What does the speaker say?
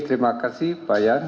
terima kasih pak yan